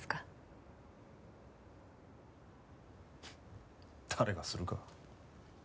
フッ誰がするか。